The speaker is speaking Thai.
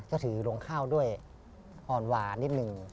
ก็ถือลงข้าวด้วยอ่อนหวานนิดนึง